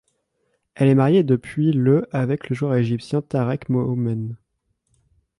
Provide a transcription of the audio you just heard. Elle est mariée depuis le avec le joueur égyptien Tarek Momen.